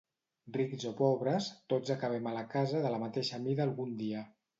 Rics o pobres, tots acabem a la casa de la mateixa mida algun dia.